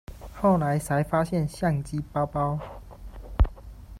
后来才发现相机包包